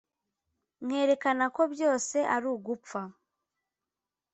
nkerekana ko byose ari ugupfa